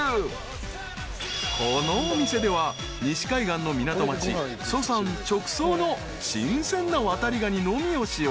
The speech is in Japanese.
［このお店では西海岸の港町ソサン直送の新鮮なワタリガニのみを使用］